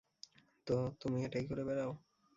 তো তুমি এটাই করে বেড়াও?